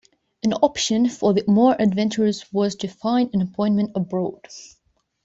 An option for the more adventurous was to find an appointment abroad.